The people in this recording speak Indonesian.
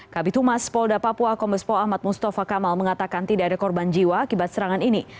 kabupaten duga polda papua komerspo ahmad mustafa kamal mengatakan tidak ada korban jiwa kibat serangan ini